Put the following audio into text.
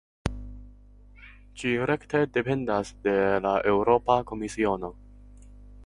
Ĝi rekte dependas de la Eŭropa Komisiono.